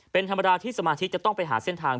เป็นธรรมดาที่สมาชิกจะต้องไปหาเส้นทาง